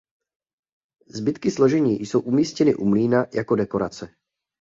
Zbytky složení jsou umístěny u mlýna jako dekorace.